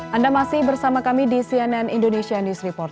anda masih bersama kami di cnn indonesia news report